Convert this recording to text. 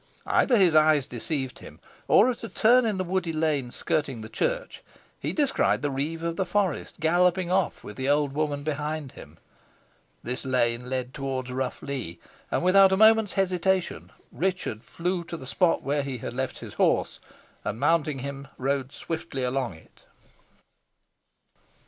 Either his eyes deceived him, or at a turn in the woody lane skirting the church he descried the reeve of the forest galloping off with the old woman behind him. This lane led towards Rough Lee, and, without a moment's hesitation, Richard flew to the spot where he had left his horse, and, mounting him, rode swiftly along it.